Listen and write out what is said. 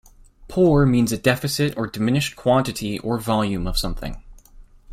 "Poor" means a deficit or diminished quantity or volume of something.